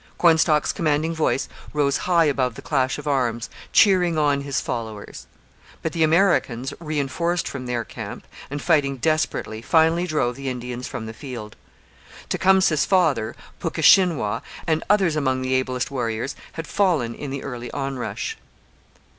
Cornstalk's commanding voice rose high above the clash of arms, cheering on his followers; but the Americans, reinforced from their camp, and fighting desperately, finally drove the Indians from the field. Tecumseh's father, Puckeshinwau, and others among the ablest warriors, had fallen in the early onrush.